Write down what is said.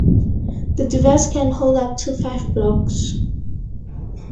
The device can hold up to five blocks.